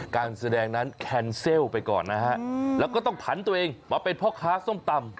การแสดงนั้นแคนเซิลไปก่อนนะฮะแล้วก็ต้องผันตัวเองมาเป็นพ่อค้าส้มตำ